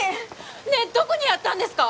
ねえどこにやったんですか！